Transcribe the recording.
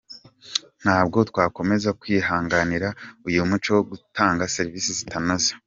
Ntabwo twakomeza kwihanganira uyu muco wo gutanga serivisi zitanoze.”